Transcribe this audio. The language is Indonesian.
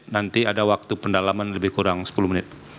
nanti ada waktu pendalaman lebih kurang sepuluh menit